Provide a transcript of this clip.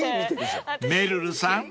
［めるるさん